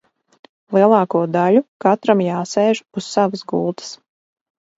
Lielāko daļu katram jāsēž uz savas gultas.